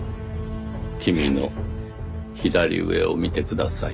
君の左上を見てください。